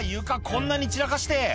こんなに散らかして」